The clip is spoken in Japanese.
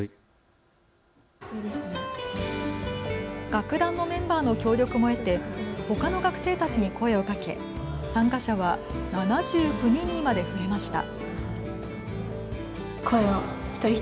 楽団のメンバーの協力も得て他の学生たちに声をかけ参加者は７９人にまで増えました。